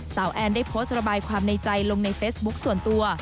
แอนได้โพสต์ระบายความในใจลงในเฟซบุ๊คส่วนตัว